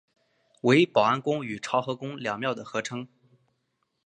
为保安宫与潮和宫两庙的合称。